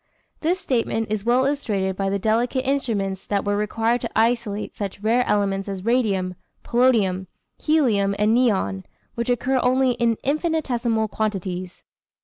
This statement is well illustrated by the delicate experiments that were required to isolate such rare elements as radium, polonium, helium and neon, which occur only in infinitesimal quantities.